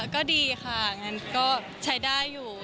ก็ดีค่ะงั้นก็ใช้ได้อยู่